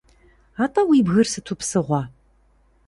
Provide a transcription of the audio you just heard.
АтӀэ, уи бгыр сыту псыгъуэ?